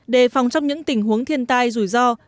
đề phòng trong những tình huống thiên tai rủi ro